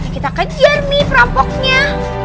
kita kejar mi perampoknya